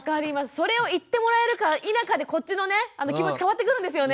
それを言ってもらえるか否かでこっちの気持ち変わってくるんですよね。